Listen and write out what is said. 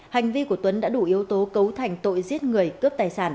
hành vi của tuấn đã đủ yếu tố cấu thành tội giết người cướp tài sản